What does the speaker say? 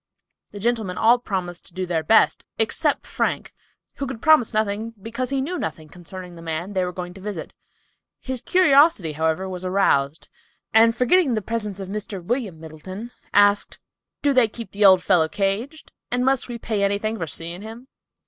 The gentlemen all promised to do their best, except Frank, who could promise nothing, because he knew nothing concerning the man they were going to visit. His curiosity, however, was aroused, and forgetting the presence of Mr. William Middleton, "Do they keep the old fellow caged? And must we pay anything for seeing him?"